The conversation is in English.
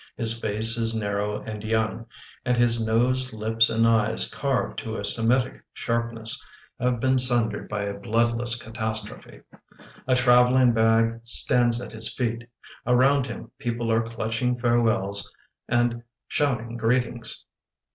His face is narrow and young, and his nose, lips, and eyes carved to a Semitic sharpness, have been sundered by a bloodless catastrophe. A traveling bag stands at his feet. Around hint people are clutching farewells and shouting greet ings.